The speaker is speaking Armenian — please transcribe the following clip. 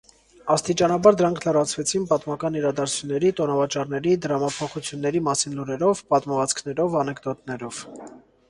Աստիճանաբար դրանք լրացվեցին պատմական իրադարձությունների, տոնավաճառների, դրամափոխությունների մասին լուրերով, պատմվածքներով, անեկդոտներով։